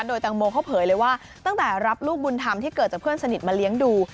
โดยแตงโมเขาเผยเลยว่าตั้งแต่รับลูกบุญธรรมที่เกิดจากเพื่อนสนิทมาเลี้ยงดู